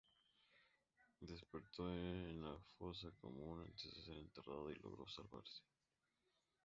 Despertó en la fosa común, antes de ser enterrado, y logró salvarse.